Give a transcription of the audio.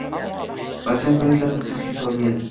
Barcha imkoniyatlarimizni ishga solgan